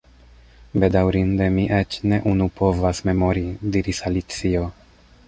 "Bedaŭrinde, mi eĉ ne unu povas memori," diris Alicio.